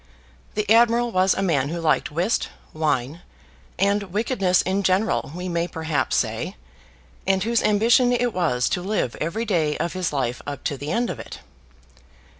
The admiral was a man who liked whist, wine, and wickedness in general we may perhaps say, and whose ambition it was to live every day of his life up to the end of it.